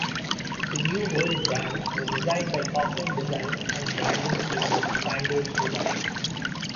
The New World brand was designed by Auckland design and branding studio Sanders Design.